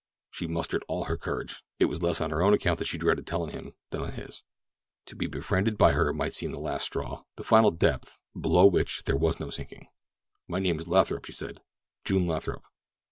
She mustered all her courage. It was less on her own account that she dreaded telling him than on his. To be befriended by her might seem the last straw—the final depth below which there was no sinking. "My name is Lathrop," she said; "June Lathrop."